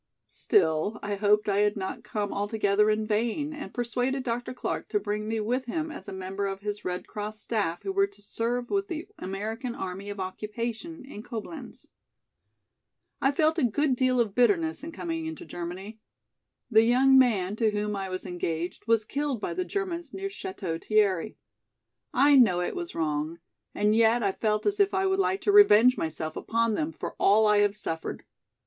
Still I hoped I had not come altogether in vain and persuaded Dr. Clark to bring me with him as a member of his Red Cross staff who were to serve with the American Army of Occupation in Coblenz. "I felt a good deal of bitterness in coming into Germany. The young man to whom I was engaged was killed by the Germans near Château Thierry. I know it was wrong and yet I felt as if I would like to revenge myself upon them for all I have suffered.